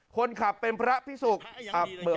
คนขับเป็นพระพิสุก